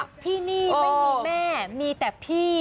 ที่นี่ไม่มีแม่มีแต่พี่